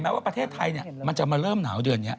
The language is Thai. ผู้เปิดปันโถ